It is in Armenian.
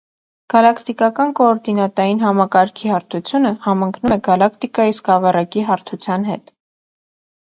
Գալակտիկական կոորդինատային համակարգի հարթությունը համընկնում է գալակտիկայի սկավառակի հարթության հետ։